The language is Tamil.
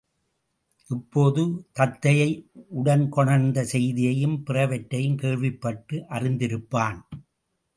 இப்போது தத்தையை உடன்கொணர்ந்த செய்தியையும் பிறவற்றையும் கேள்விப்பட்டு அறிந்திருப்பான்.